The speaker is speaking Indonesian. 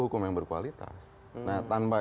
hukum yang berkualitas nah tanpa